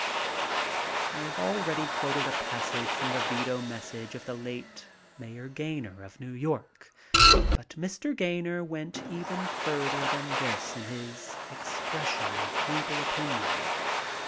I have already quoted a passage from the veto mes sage of the late Mayor Gaynor of New York, but Mr. Gaynor went even further than this in his ex pression of legal opinion.